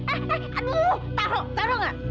eh eh aduh taruh taruh nggak